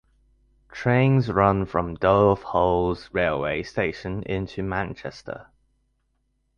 Trains run from Dove Holes railway station into Manchester.